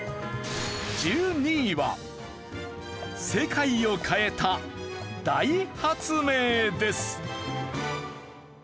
１２位は世界を変えた大発明です。